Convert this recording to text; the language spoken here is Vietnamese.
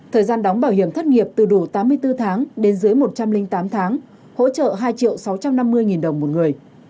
thời gian đóng bảo hiểm thất nghiệp từ đủ tám mươi bốn tháng đến dưới một trăm linh tám tháng hỗ trợ hai sáu trăm năm mươi đồng một người